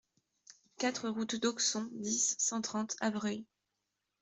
quatre route d'Auxon, dix, cent trente, Avreuil